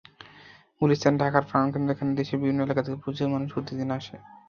গুলিস্তান ঢাকার প্রাণকেন্দ্র, এখানে দেশের বিভিন্ন এলাকা থেকে প্রচুর মানুষ প্রতিদিন আসে।